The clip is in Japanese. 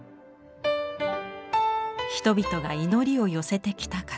人々が祈りを寄せてきた形。